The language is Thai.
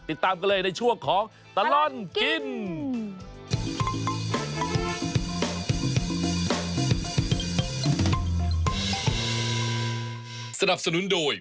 ติดตามกันเลยในช่วงของตลอดกิน